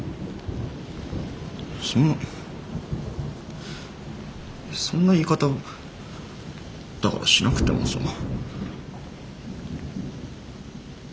そんなそんな言い方をだからしなくてもさあ。